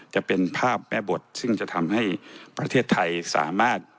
จะเป็นภาพแม่บทซึ่งจะทำให้ประเทศไทยสามารถ